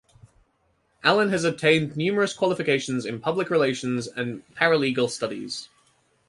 Allen has obtained numerous qualifications in Public Relations and Paralegal Studies.